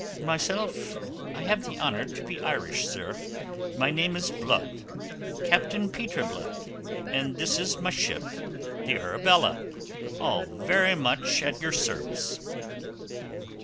"Myself, I have the honour to be Irish, sir. My name is Blood Captain Peter Blood, and this is my ship the Arabella, all very much at your service.